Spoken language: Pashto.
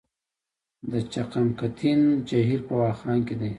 د چقمقتین جهیل په واخان کې دی